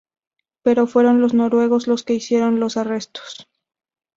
Pero fueron los noruegos los que hicieron los arrestos.